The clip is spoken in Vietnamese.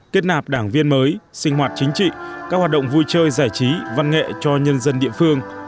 kết nạp đảng viên mới sinh hoạt chính trị các hoạt động vui chơi giải trí văn nghệ cho nhân dân địa phương